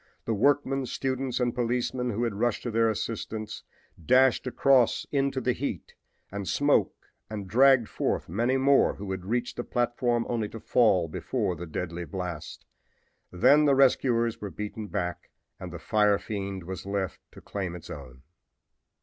The workmen, students and policemen who had rushed to their assistance dashed across into the heat and smoke and dragged forth many more who had reached the platform only to fall before the deadly blast. Then the rescuers were beaten back and the fire fiend was left to claim its own.